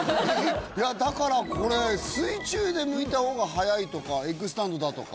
だからこれ水中で剥いた方が早いとかエッグスタンドだとか。